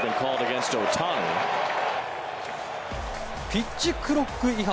ピッチクロック違反。